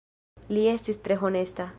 Li estis tre honesta.